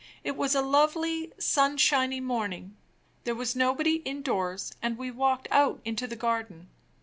It was a lovely, sunshiny morning. There was nobody indoors, and we walked out into the garden.